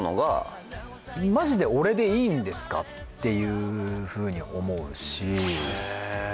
「マジで俺でいいんですか？」っていうふうに思うしへえ